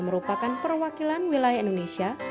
merupakan perwakilan wilayah indonesia